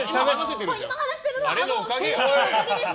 今、話せているのはあの先生のおかげです。